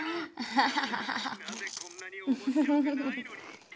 ハハハハ！